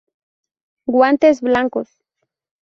Guantes blancos.